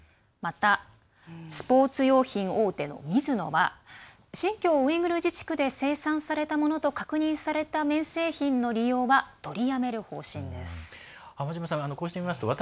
またスポーツ用品大手のミズノは新疆ウイグル自治区で生産されたものと確認された綿製品の利用は取りやめる方針です。